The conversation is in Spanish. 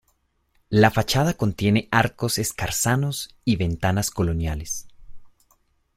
La fachada contiene arcos escarzanos y ventanas coloniales.